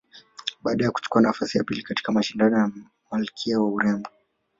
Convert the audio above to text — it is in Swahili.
Baada ya kuchukua nafasi ya pili katika mashindano ya malkia wa urembo